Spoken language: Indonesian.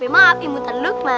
maaf imutan lu kman